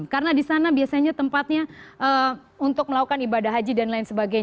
karena disana biasanya tempatnya untuk melakukan ibadah haji dan lain sebagainya